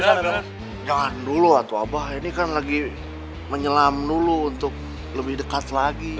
jangan dulu atau apa ini kan lagi menyelam dulu untuk lebih dekat lagi